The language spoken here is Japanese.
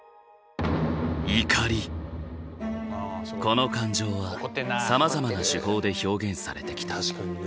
この感情はさまざまな手法で表現されてきた。